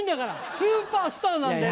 スーパースターなんだよ。